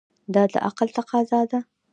دا د عقل تقاضا ده.